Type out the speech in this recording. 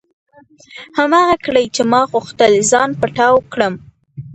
هماغه ګړۍ چې ما غوښتل ځان پټاو کړم.